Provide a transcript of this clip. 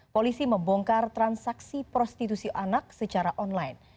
polisi membongkar transaksi prostitusi anak secara online